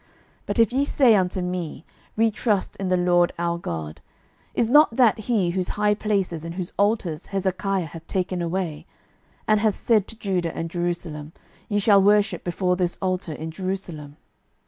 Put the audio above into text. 12:018:022 But if ye say unto me, We trust in the LORD our God: is not that he, whose high places and whose altars Hezekiah hath taken away, and hath said to Judah and Jerusalem, Ye shall worship before this altar in Jerusalem?